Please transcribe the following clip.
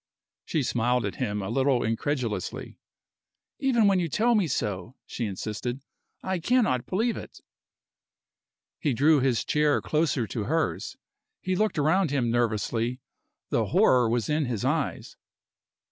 She smiled a little incredulously. "Even when you tell me so," she insisted, "I cannot believe it." He drew his chair closer to hers. He looked around him nervously, the horror was in his eyes.